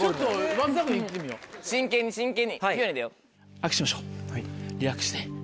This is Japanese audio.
握手しましょうリラックスして。